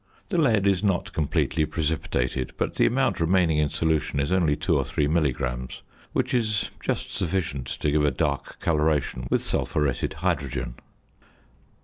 The lead is not completely precipitated, but the amount remaining in solution is only 2 or 3 milligrams, which is just sufficient to give a dark coloration with sulphuretted hydrogen.